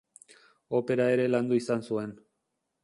Opera ere landu izan zuen.